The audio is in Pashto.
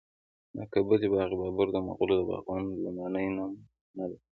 د کابل باغ بابر د مغلو د باغونو لومړنی نمونه ده